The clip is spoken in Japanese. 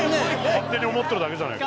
勝手に思ってるだけじゃねえか。